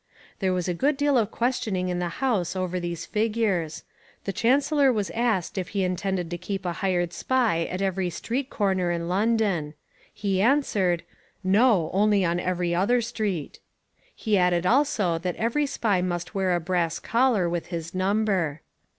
There was a good deal of questioning in the House over these figures. The Chancellor was asked if he intended to keep a hired spy at every street corner in London. He answered, "No, only on every other street." He added also that every spy must wear a brass collar with his number.